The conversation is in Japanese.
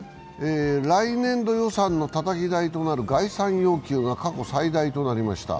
来年度予算のたたき台となる概算要求が過去最大となりました。